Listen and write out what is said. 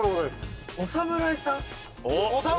お侍さん。